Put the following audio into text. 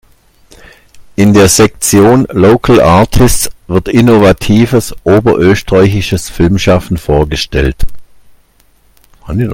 In der Sektion Local Artists wird innovatives oberösterreichisches Filmschaffen vorgestellt.